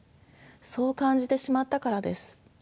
そう感じてしまったからです。